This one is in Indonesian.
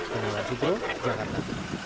dengan wajibro jakarta